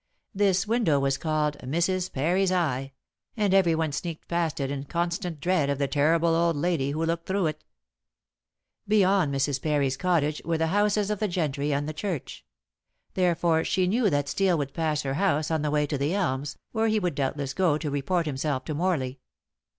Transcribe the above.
This window was called "Mrs. Parry's eye," and everyone sneaked past it in constant dread of the terrible old lady who looked through it. Beyond Mrs. Parry's cottage were the houses of the gentry and the church; therefore she knew that Steel would pass her house on the way to The Elms, where he would doubtless go to report himself to Morley.